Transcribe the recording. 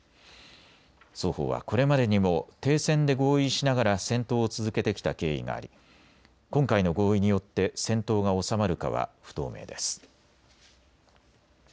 双方はこれまでにも停戦で合意しながら戦闘を続けてきた経緯があり今回の合意によって戦闘が収まるかは不透明です。